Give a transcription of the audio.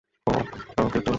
ওহ, crypto.